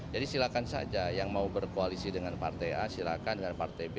jadi silakan saja yang mau berkoalisi dengan partai a silakan dengan partai b